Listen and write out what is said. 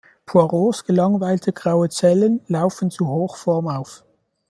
Poirots gelangweilte "graue Zellen" laufen zu Hochform auf.